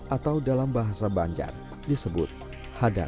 atau dalam bahasa banjar disebut hadar